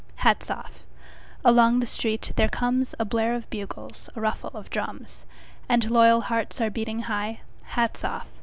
Hats off! Along the street there comesA blare of bugles, a ruffle of drums; And loyal hearts are beating high:Hats off!